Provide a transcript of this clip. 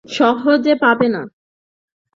সহজে পাবে না?